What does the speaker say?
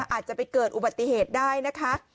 อาจจะไปเกิดอุบัติเหตุได้นะคะ